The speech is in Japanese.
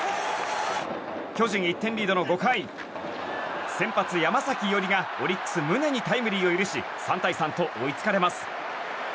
巨人１点リードの５回先発、山崎伊織がオリックス、宗にタイムリーを許し３対３と追いつかれます。